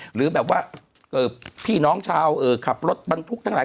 หรือแบบว่าพี่น้องชาวขับรถบรรทุกทั้งหลาย